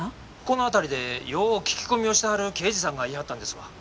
この辺りでよう聞き込みをしてはる刑事さんがいはったんですわ。